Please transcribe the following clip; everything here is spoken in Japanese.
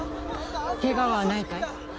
ケガはないかい？